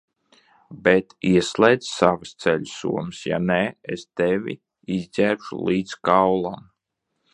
Bet ieslēdz savas ceļasomas, ja nē, es tevi izģērbšu līdz kaulam!